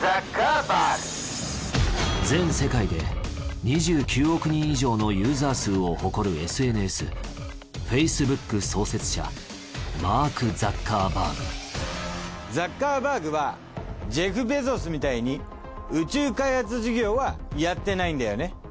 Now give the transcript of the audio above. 全世界で２９億人以上のユーザー数を誇るＳＮＳｆａｃｅｂｏｏｋ創設者マーク・ザッカーバーグザッカーバーグはジェフ・ベゾスみたいに宇宙開発事業はやってないんだよね。